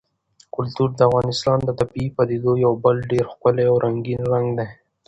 کلتور د افغانستان د طبیعي پدیدو یو بل ډېر ښکلی او رنګین رنګ دی.